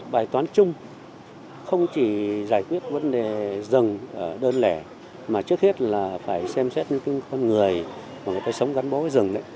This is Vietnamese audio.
bài toán chung không chỉ giải quyết vấn đề rừng đơn lẻ mà trước hết là phải xem xét những con người mà người ta sống gắn bó với rừng